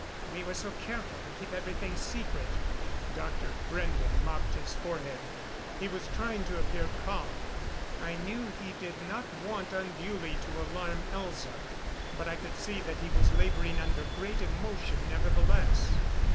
We were so careful to keep everything secret " Dr. Brende mopped his forehead. He was trying to appear calm I knew he did not want unduly to alarm Elza; but I could see that he was laboring under great emotion nevertheless.